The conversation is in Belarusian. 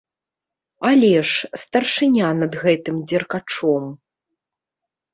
Але ж, старшыня над гэтым дзеркачом.